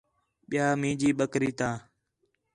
ٻِیا مینجی بکری تا